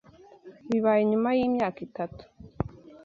Bibaye nyuma yimyaka itatu,